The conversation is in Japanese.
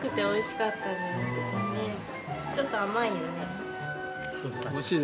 おいしかったー。